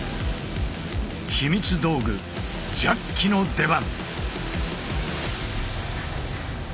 秘密道具ジャッキの出番。